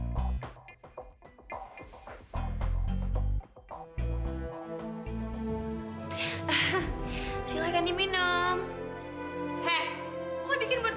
gue bukan panggung